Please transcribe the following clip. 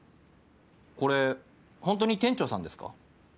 これホントに店長さんですか？